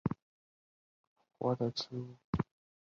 澜沧羌活是伞形科羌活属的植物。